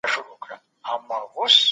نه مي د خاوند ميراث تر لاسه کړ.